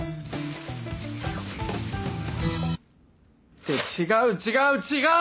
って違う違う違う！